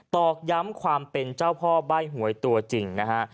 ตอกย้ำความเป็นเจ้าพ่อใบ้หวยตัวจริงนะฮะ